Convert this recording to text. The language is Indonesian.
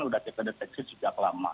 sudah kita deteksi sejak lama